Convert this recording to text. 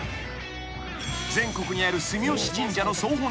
［全国にある住吉神社の総本社。